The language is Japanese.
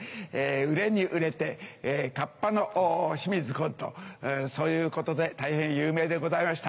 売れに売れて「かっぱの清水崑」とそういうことで大変有名でございました。